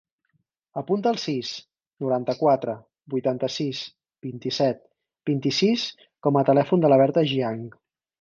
Apunta el sis, noranta-quatre, vuitanta-sis, vint-i-set, vint-i-sis com a telèfon de la Berta Jiang.